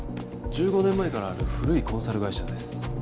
１５年前からある古いコンサル会社です